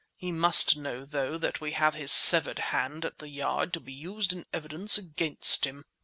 He must know, though, that we have his severed hand at the Yard to be used in evidence against him."